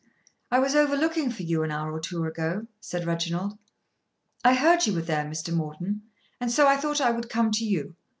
"I was over looking for you an hour or two ago," said Reginald. "I heard you were there, Mr. Morton, and so I thought I would come to you.